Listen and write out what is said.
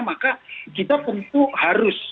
maka kita tentu harus